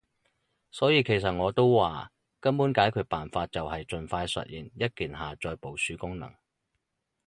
所以其實我都話，根本解決辦法就係儘快實現一鍵下載部署功能